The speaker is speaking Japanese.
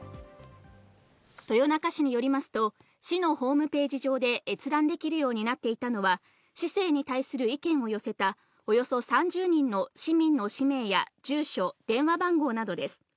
豊中市によりますと、市のホームページ上で閲覧できるようになっていたのは、市政に対する意見を寄せた、およそ３０人の市民の氏名や住所、電話番号などです。